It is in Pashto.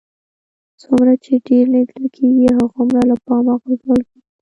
څومره چې ډېر لیدل کېږئ هغومره له پامه غورځول کېږئ